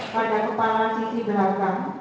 pada kepala sisi belakang